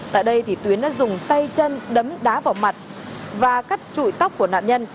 tại đây tuyến đã dùng tay chân đấm đá vào mặt và cắt trụi tóc của nạn nhân